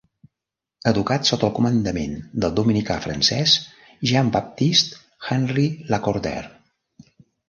Educat sota el comandament del dominicà francès Jean-Baptiste Henri Lacordaire.